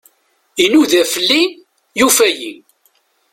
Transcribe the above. Inuda fell-i, yufa-iyi.